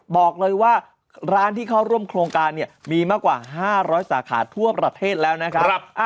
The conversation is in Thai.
บอกเลยว่าร้านที่เข้าร่วมโครงการเนี่ยมีมากกว่า๕๐๐สาขาทั่วประเทศแล้วนะครับ